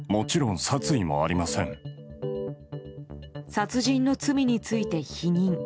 殺人の罪について、否認。